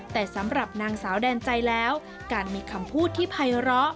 แต่สำหรับนางสาวแดนใจแล้วการมีคำพูดที่ภัยร้อ